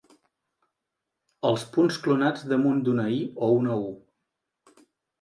Els punts clonats damunt d'una i o una u.